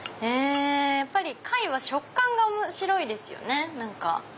やっぱり貝は食感が面白いですよね。